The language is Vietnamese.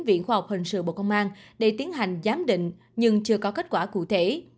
viện khoa học hình sự bộ công an để tiến hành giám định nhưng chưa có kết quả cụ thể